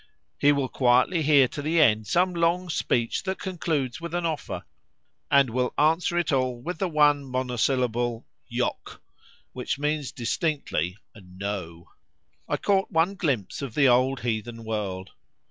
He will quietly hear to the end some long speech that concludes with an offer, and will answer it all with the one monosyllable "Yok," which means distinctly "No." I caught one glimpse of the old heathen world.